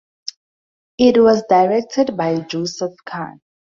It was directed by Joseph Kahn.